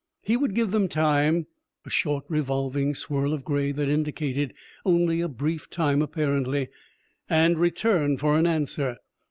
He would give them time a short revolving swirl of gray that indicated only a brief time, apparently and return for an answer.